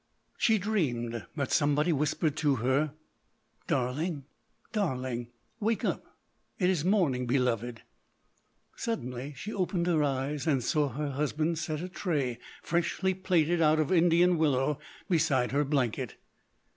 She dreamed that somebody whispered to her, "Darling, darling, wake up. It is morning, beloved." Suddenly she opened her eyes; and saw her husband set a tray, freshly plaited out of Indian willow, beside her blanket.